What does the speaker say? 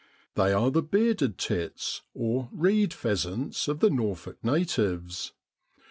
They are the bearded tits, or ' reed pheasants ' of the Norfolk natives.